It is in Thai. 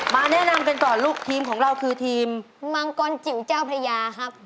แนะนำกันก่อนลูกทีมของเราคือทีมมังกรจิ๋วเจ้าพระยาครับ